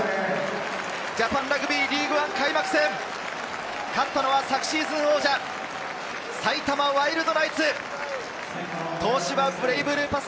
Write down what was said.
ジャパンラグビーリーグワン開幕戦、勝ったのは昨シーズン王者・埼玉ワイルドナイツ、東芝ブレイブルーパス